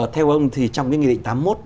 theo ông thì trong cái nghị định tám mươi một